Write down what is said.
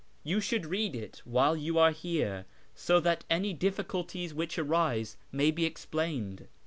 You should read it while you are here, so that any difficulties which arise may be explained.